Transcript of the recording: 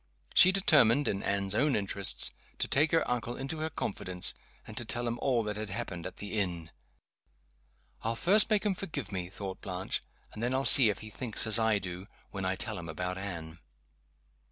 She determined, in Anne's own interests, to take her uncle into her confidence, and to tell him all that had happened at the inn "I'll first make him forgive me," thought Blanche. "And then I'll see if he thinks as I do, when I tell him about Anne."